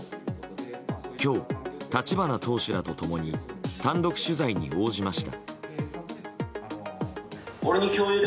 今日、立花党首らと共に単独取材に応じました。